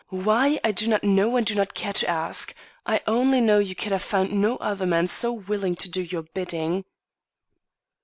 Why, I do not know and do not care to ask. I only know you could have found no other man so willing to do your bidding."